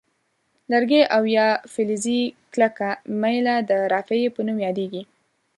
لرګی او یا فلزي کلکه میله د رافعې په نوم یادیږي.